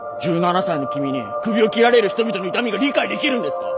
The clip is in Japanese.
１７才の君にクビを切られる人々の痛みが理解できるんですか。